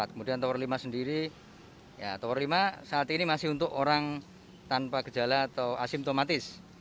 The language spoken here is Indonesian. kemudian tower lima sendiri tower lima saat ini masih untuk orang tanpa gejala atau asimptomatis